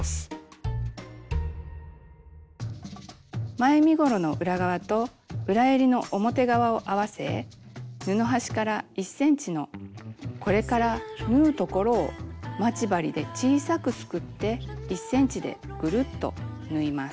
前身ごろの裏側と裏えりの表側を合わせ布端から１ｃｍのこれから縫うところを待ち針で小さくすくって１ｃｍでぐるっと縫います。